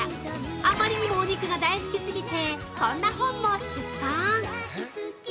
あまりにもお肉が大好きすぎてこんな本も出版。